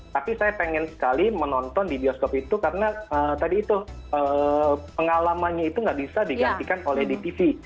tapi saya pengen sekali menonton di bioskop itu karena tadi itu pengalamannya itu nggak bisa digantikan oleh di tv